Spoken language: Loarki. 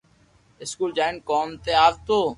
اسڪول جائين ڪوم تي آوتو